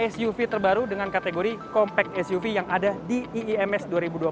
suv terbaru dengan kategori compact suv yang ada di iims dua ribu dua puluh satu